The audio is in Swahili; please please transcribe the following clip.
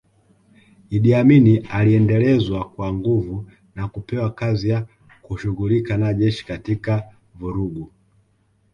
Idi Amin aliendelezwa kwa nguvu na kupewa kazi ya kushughulika na jeshi katika vurugu